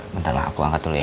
bentar ma aku angkat dulu ya